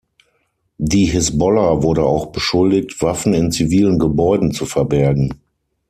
Die Hisbollah wurde auch beschuldigt, Waffen in zivilen Gebäuden zu verbergen.